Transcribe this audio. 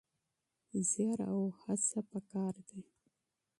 زيار او کوښښ پکار دی.